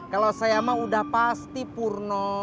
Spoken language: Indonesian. kalau saya mah udah pasti purno